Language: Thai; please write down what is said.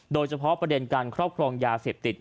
โดยเฉพาะประเด็นการครอบครองยาเสพติด